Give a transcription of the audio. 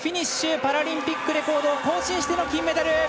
パラリンピックレコードを更新しての金メダル！